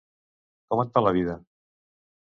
Com et va la vida?